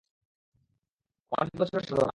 অনেক বছরের সাধনা।